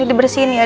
ini dibersihin ya